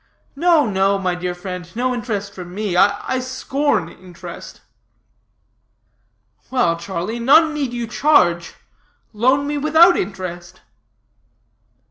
No, no, my dear friend, no interest for me. I scorn interest." "Well, Charlie, none need you charge. Loan me without interest."